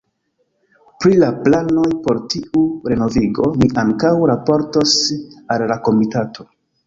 Pri la planoj por tiu renovigo mi ankaŭ raportos al la Komitato.